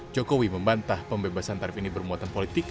jokowi membantah pembebasan tarif ini bermuatan politik